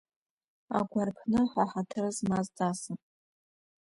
Агәарԥныҳәа ҳаҭыр змаз ҵасын.